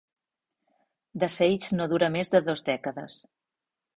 "The Sage" no dura més de dos dècades.